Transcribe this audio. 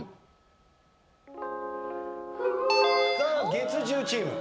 月１０チーム。